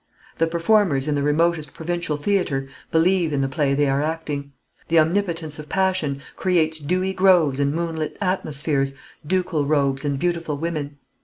The performers in the remotest provincial theatre believe in the play they are acting. The omnipotence of passion creates dewy groves and moonlit atmospheres, ducal robes and beautiful women.